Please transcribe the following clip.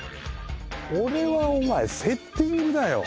俺はお前セッティングだよ。